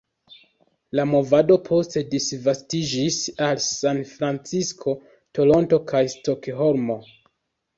La movado poste disvastiĝis al Sanfrancisko, Toronto, kaj Stokholmo.